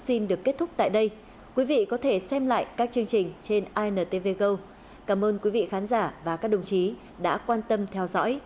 xin chào tạm biệt và hẹn gặp lại trong các chương trình tiếp theo